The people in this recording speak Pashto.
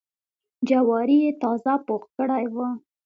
جواري یې تازه پوخ کړی و.